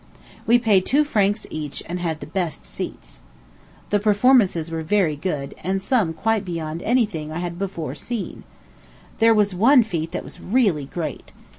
We paid two francs each, and had the best seats. The performances were very good, and some quite beyond any thing I had before seen. There was one feat that was really great.